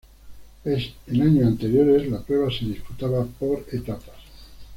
En años anteriores la prueba se disputaba por etapas.